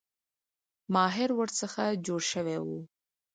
ماهر ورڅخه جوړ شوی وو.